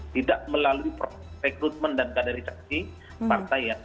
tidak melalui rekrutmen dan kandaritasi partai